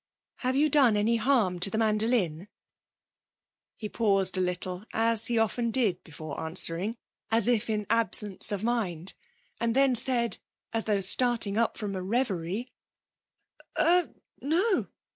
'Have you done any harm to the mandolin?' He paused a little, as he often did before answering, as if in absence of mind, and then said, as though starting up from a reverie: 'Er no.